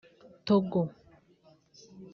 Togo